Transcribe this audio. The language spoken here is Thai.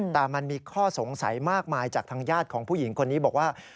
แต่มันมีข้อสงสัยมากมายจากทางญาติของผู้หญิงคนนี้บอกว่า